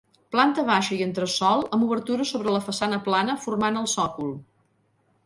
Planta baixa i entresòl amb obertures sobre la façana plana formant el sòcol.